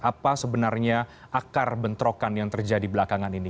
apa sebenarnya akar bentrokan yang terjadi belakangan ini